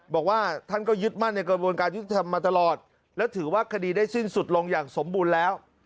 บอกว่าท่านก็ยึดมั่นในกระบวนการยุทธิธรรมมาตลอดและถือว่าคดีได้สิ้นสุดลงอย่างสมบูรณ์แล้ว